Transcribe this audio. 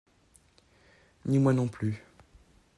Ni moi non plus